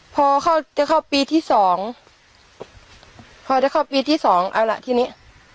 พอเขาจะเข้าปีที่สองพอจะเข้าปีที่สองเอาล่ะทีนี้